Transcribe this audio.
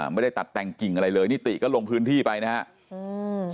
ไม่ได้ตัดแต่งกิ่งอะไรเลยนิติก็ลงพื้นที่ไปนะครับ